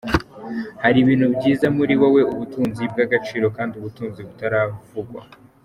Hari ibintu byiza muri wowe, ubutunzi bw'agaciro kandi ubutunzi butaravugwa.